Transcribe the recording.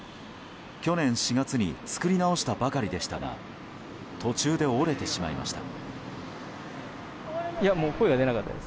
去年４月に作り直したばかりでしたが途中で折れてしまいました。